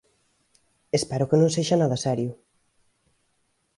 Espero que non sexa nada serio.